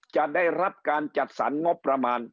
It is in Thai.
จะได้รับการจัดสรรงบประมาณ